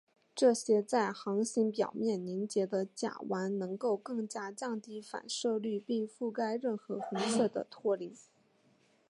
这些在行星表面凝结的甲烷能够更加降低反射率并覆盖任何红色的托林。